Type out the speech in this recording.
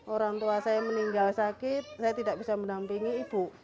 orang tua saya meninggal sakit saya tidak bisa mendampingi ibu